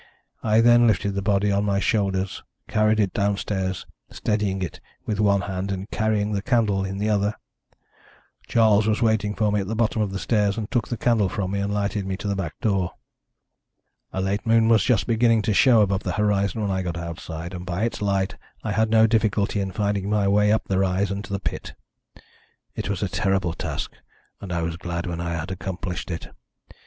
I then lifted the body on my shoulders, carried it downstairs, steadying it with one hand, and carrying the candle in the other. Charles was waiting for me at the bottom of the stairs, and he took the candle from me and lighted me to the back door. "A late moon was just beginning to show above the horizon when I got outside, and by its light I had no difficulty in finding my way up the rise and to the pit. It was a terrible task, and I was glad when I had accomplished it.